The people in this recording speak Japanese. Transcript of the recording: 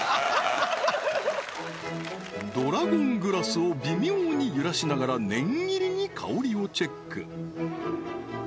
ドラゴングラスを微妙に揺らしながら念入りに香りをチェック